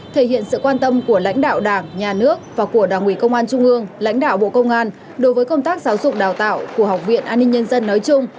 thể hiện sự quan tâm của lãnh đạo đảng nhà nước và của đảng ủy công an trung ương lãnh đạo bộ công an đối với công tác giáo dục đào tạo của học viện an ninh nhân dân nói chung